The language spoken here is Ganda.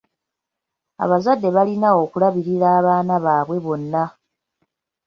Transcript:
Abazadde balina okulabirira abaana baabwe bonna.